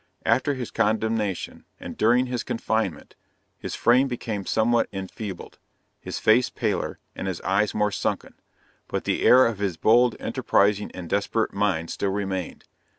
After his condemnation, and during his confinement, his frame became somewhat enfeebled, his face paler, and his eyes more sunken; but the air of his bold, enterprising and desperate mind still remained.